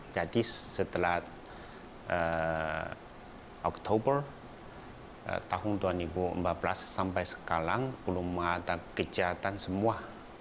jadi setelah oktober tahun dua ribu empat belas sampai sekarang belum ada kegiatan semua